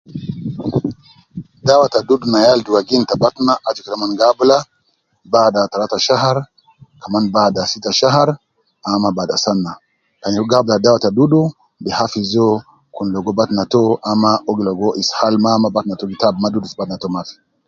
Dawa ta dudu na yala dugagin fi batna aju kede mon gi abula baada talata shahar kaman baada sita shahar ama bada sana, kan nyereku gi abula dawa ta dudu bi hafiz uwo kun logo batna to ama kun logo ishal ama batna to gi tab ma dudu fi batna to Mafi